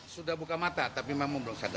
sudah buka mata tapi memang belum sadar